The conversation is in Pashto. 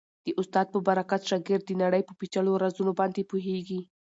د استاد په برکت شاګرد د نړۍ په پېچلو رازونو باندې پوهېږي.